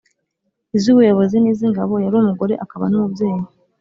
iz ubuyobozi n iz ingabo Yari umugore akaba n umubyeyi